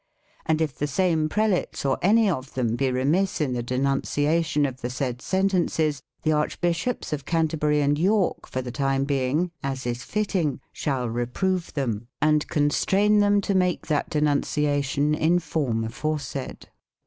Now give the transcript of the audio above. And if the same prelates or any of them be remiss in the denunciation of the said sentences, the Archbishops of Canterbury and York for the time being, as is fitting, shall reprove them and i2 4 MAGNA CARTA AND COMMON LAW constrain them to make that denunciation in form aforesaid."